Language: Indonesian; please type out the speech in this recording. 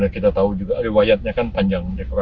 kita tahu juga riwayatnya kan panjang